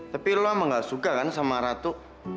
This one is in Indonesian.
tapi lo emang gak suka kan sama ratu